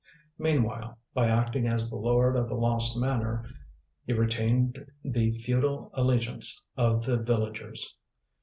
Meanwhile, by acting as the lord of a lost manor, he retained the feudal allegiance of the villagers.